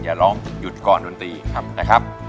อย่าร้องหยุดก่อนดนตรีนะครับ